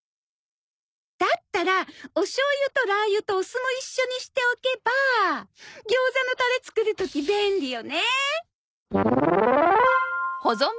だったらおしょうゆとラー油とお酢も一緒にしておけば餃子のタレ作る時便利よね！